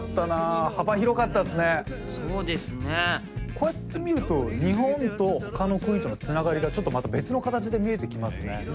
こうやって見ると日本とほかの国とのつながりがちょっとまた別の形で見えてきますね。